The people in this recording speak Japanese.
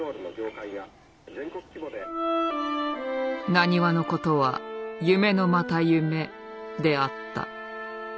「浪速のことは夢のまた夢」であった。